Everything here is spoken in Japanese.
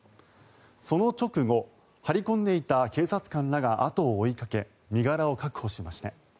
その直後、張り込んでいた警察官らが後を追いかけ身柄を確保しました。